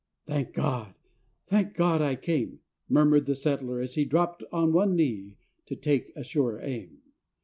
"Thank God! Thank God I came!" murmured the settler, as he dropped on one knee to take a surer aim.